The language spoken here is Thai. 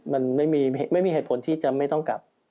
มันไม่มีเหตุผลที่จะไม่ต้องกลับ